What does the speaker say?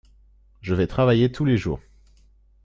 Je vais travailler tous les jours.